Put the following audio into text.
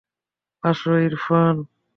আসো, ইরফান।